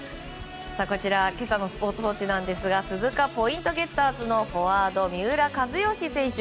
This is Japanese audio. こちらは今朝のスポーツ報知ですが鈴鹿ポイントゲッターズのフォワード、三浦知良選手